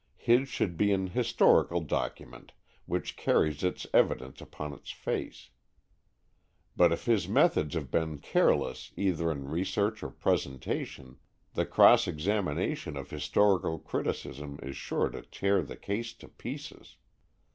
His should be an historical document which carries its evidence upon its face. But if his method has been careless either in research or presentation, the cross examination of historical criticism is sure to tear the case to pieces.